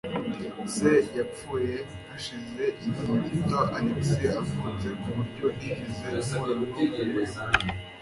Se yapfuye hashize igihe gito Alex avutse, ku buryo ntigeze mpura n'umwe muri bo.